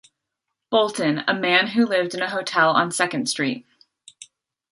Bolton, a man who lived in a hotel on Second Street.